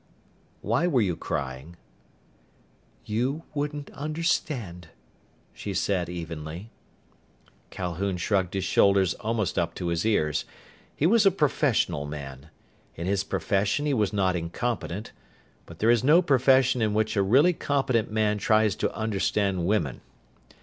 "Why were you crying?" "You wouldn't understand," she said evenly. Calhoun shrugged his shoulders almost up to his ears. He was a professional man. In his profession he was not incompetent. But there is no profession in which a really competent man tries to understand women.